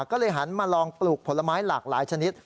ก็เลยหันมาลองปลูกผลไม้หลากหลายชนิด